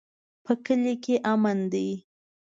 په کلي کې امن ده